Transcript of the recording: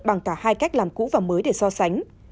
bằng cả hai cách làm cũ và mới để so sánh